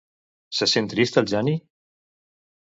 Se sent trist el Jani?